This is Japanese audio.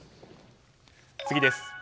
次です。